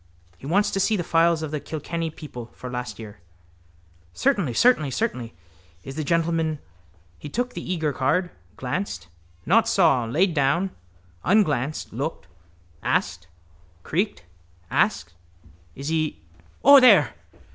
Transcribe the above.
_ He wants to see the files of the Kilkenny People for last year. —Certainly, certainly, certainly. Is the gentleman?... He took the eager card, glanced, not saw, laid down unglanced, looked, asked, creaked, asked: —Is he?... O, there!